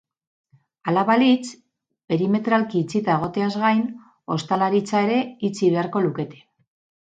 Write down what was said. Hala balitz, perimetralki itxita egoteaz gain, ostalaritza ere itxi beharko lukete.